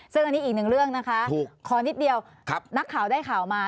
ซึ่งอันนี้อีกหนึ่งเรื่องนะคะขอนิดเดียวนักข่าวได้ข่าวมา